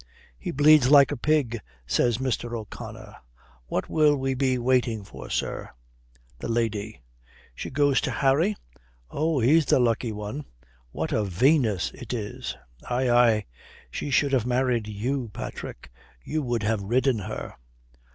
"He bleeds like a pig," says Mr. O'Connor. "What will we be waiting for, sir?" "The lady." "She goes to Harry? Oh, he's the lucky one. What a Venus it is!" "Aye, aye. She should have married you, Patrick. You would have ridden her."